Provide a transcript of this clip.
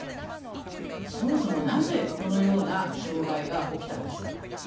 そもそも、なぜこのような障害が起きたんでしょうか。